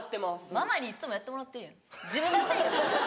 ママにいっつもやってもらってるやん自分。